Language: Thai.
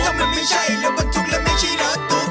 ก็มันไม่ใช่รถบันทุกข์และไม่ใช่รถตุ๊ก